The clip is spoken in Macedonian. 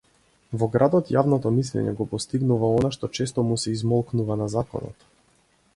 Во градот јавното мислење го постигнува она што често му се измолкнува на законот.